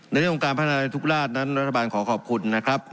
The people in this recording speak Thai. ในเรื่องของการพัฒนาในทุกราชนั้นรัฐบาลขอขอบคุณนะครับ